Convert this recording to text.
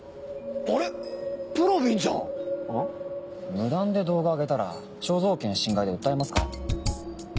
無断で動画上げたら肖像権侵害で訴えますから。